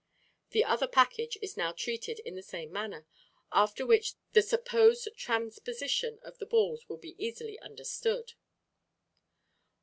The other package is now treated in the same manner, after which the supposed transposition of the balls will be easily understood.